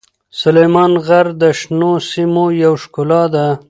سلیمان غر د شنو سیمو یوه ښکلا ده.